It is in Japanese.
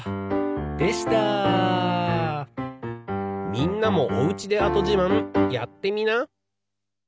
みんなもおうちで跡じまんやってみな。